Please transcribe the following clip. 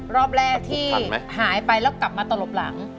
รอบแรกที่หายไปแล้วกลับมาตลบหลัง